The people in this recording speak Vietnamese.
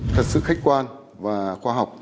thật sự khách quan và khoa học